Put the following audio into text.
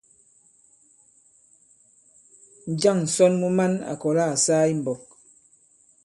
Njâŋ ǹsɔn mu man à kɔ̀la à saa i mbɔk?